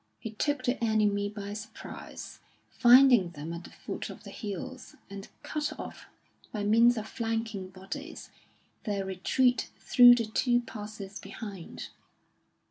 He took the enemy by surprise, finding them at the foot of the hills, and cut off, by means of flanking bodies, their retreat through the two passes behind.